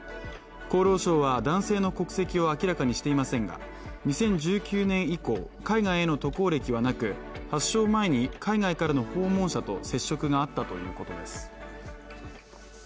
厚労省は男性の国籍を明らかにしていませんが、２０１９年以降、海外への渡航歴はなく発症前に海外からの訪問者と接触があったということです。